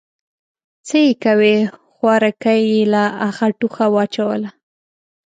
_څه يې کوې، خوارکی يې له اخه ټوخه واچوله.